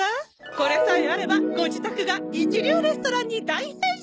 これさえあればご自宅が一流レストランに大変身！